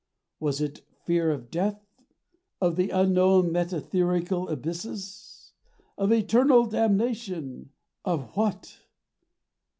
Was it Fear of Death; of the Unknown metetherical Abysses; of Eternal Damnation; of what?